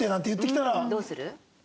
どうする？